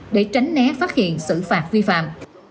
để tránh né phát hiện sự phạt vi phạm